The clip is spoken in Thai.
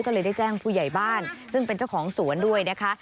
ก็เลยได้แจ้งผู้ใหญ่บ้านซึ่งเป็นเจ้าของสวนด้วยนะคะ